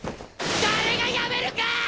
誰がやめるかあ！